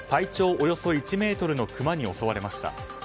およそ１ｍのクマに襲われました。